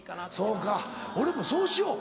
そうか俺もそうしよう。